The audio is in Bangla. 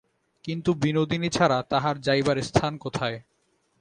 কিন্তু বিনোদিনী ছাড়া তাহার যাইবার স্থান কোথায়।